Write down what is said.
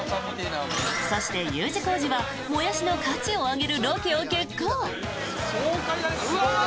そして、Ｕ字工事はモヤシの価値を上げるロケを決行！